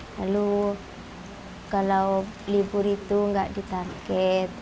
lalu kalau libur itu nggak di target